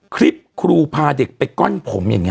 ครูพาเด็กไปก้อนผมอย่างนี้